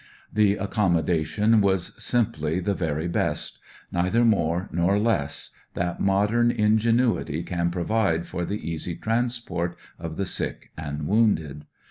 The 230 I ON THE WAY TO LONDON 281 accommodation was simply the very best, neither more nor less, that modem in genuity can provide for the easy trans port of the sick and womided.